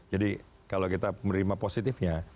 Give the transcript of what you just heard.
jadi kalau kita menerima positifnya